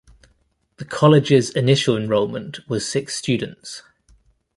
The college's initial enrollment was six students.